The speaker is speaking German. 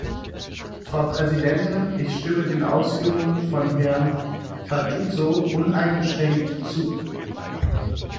Frau Präsidentin, ich stimme den Ausführungen von Herrn Fatuzzo uneingeschränkt zu.